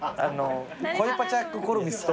コイパチャックコルミスと。